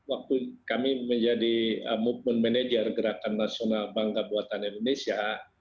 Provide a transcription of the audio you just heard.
waktu kami menjadi movement manager gerakan nasional bangga buatan indonesia